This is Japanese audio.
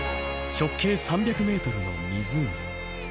直径３００ｍの湖。